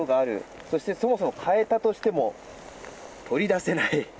そしてそもそも買えたとしても取り出せない。